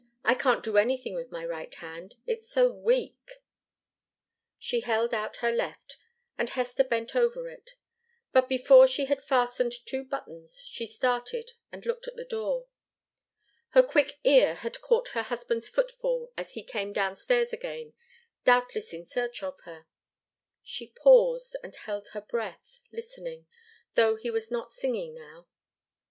"I can't do anything with my right hand, it's so weak." She held out her left, and Hester bent over it. But before she had fastened two buttons, she started, and looked at the door. Her quick ear had caught her husband's footfall as he came downstairs again, doubtless in search of her. She paused, and held her breath, listening, though he was not singing now.